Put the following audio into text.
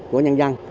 của nhân dân